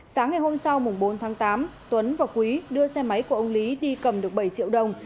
sáng ngày hôm sau bốn tháng tám tuấn và quý đưa xe máy của ông lý đi cầm được bảy triệu đồng